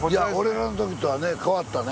俺らの時とはね変わったね。